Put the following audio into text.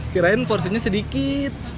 kirain porsinya sedikit